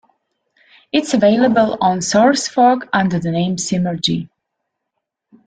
It is available on SourceForge under the name "Simergy".